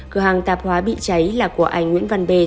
cửa hàng tạp hóa bị cháy là của anh nguyễn văn đề